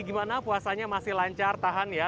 gimana puasanya masih lancar tahan ya